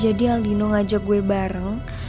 jadi aldino ngajak gue bareng